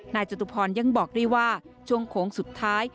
นายเจ้าตุพรยังบอกด้วยว่าช่วงโขงสุดท้าย